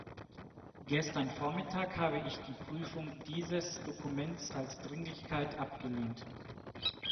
Gestern Vormittag habe ich die Prüfung dieses Dokuments als Dringlichkeit abgelehnt.